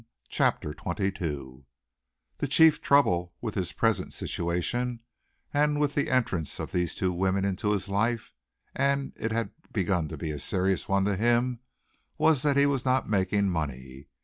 CHAPTER XXII The chief trouble with his present situation, and with the entrance of these two women into his life, and it had begun to be a serious one to him, was that he was not making money.